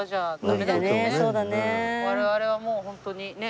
我々はもうホントにね。